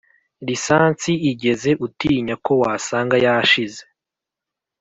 lisansi igeze utinya ko wasanga yashize